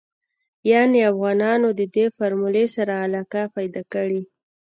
يانې افغانانو ددې فارمولې سره علاقه پيدا کړې.